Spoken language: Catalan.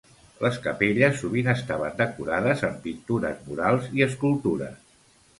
Les capelles sovint estaven decorades amb pintures murals i escultures.